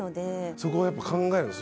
そこはやっぱ考えるんです？